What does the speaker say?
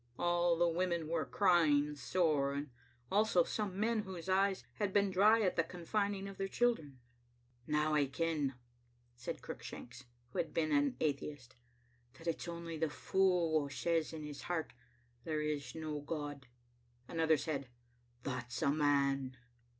All the women were crying sore, and also some men whose eyes had been dry at the coffining of their chil dren. "Now I ken," said Cruickshanks, who had been an atheist, " that it*s only the fool wha' says in his heart, •There is no God.'" Another said, "That's a man."